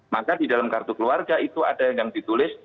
maka di dalam kartu keluarga itu ada yang ditulis